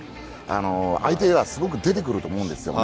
相手がすごく出てくると思うんですよね。